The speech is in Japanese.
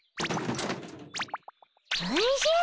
おじゃ！